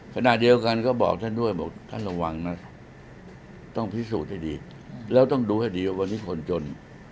ขณะเดียวกันก็บอกท่านด้วยบอกท่านระวังนะต้องพิสูจน์ให้ดีแล้วต้องดูให้ดีว่าวันนี้คนจน